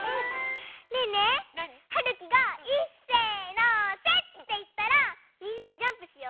ねえねえはるきが「いっせのせ」っていったらみんなでジャンプしよ。